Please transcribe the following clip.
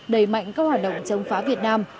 đẩy mạnh các hoạt động chống phá việt nam